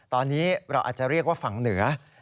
ตอนนี้เราอาจจะเรียกว่าฝั่งเหนือ